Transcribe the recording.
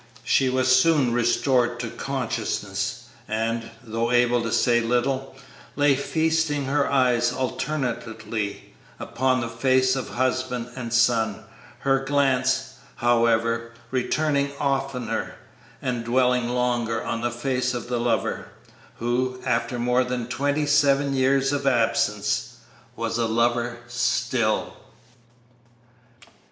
She was soon restored to consciousness, and, though able to say little, lay feasting her eyes alternately upon the face of husband and son, her glance, however, returning oftener and dwelling longer on the face of the lover, who, after more than twenty seven years of absence, was a lover still.